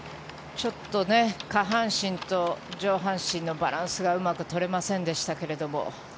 ちょっと下半身と上半身のバランスがうまく取れませんでしたけれども。